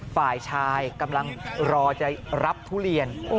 ฝ่ายชายกำลังรอจะรับทุเรียน